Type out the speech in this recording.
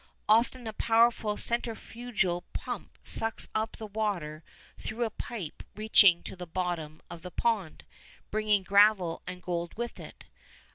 Often a powerful centrifugal pump sucks up the water through a pipe reaching to the bottom of the pond, bringing gravel and gold with it.